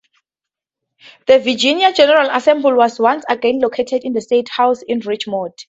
The Virginia General Assembly was once again located in the State House in Richmond.